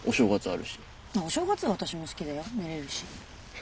あっお正月は私も好きだよ寝れるし。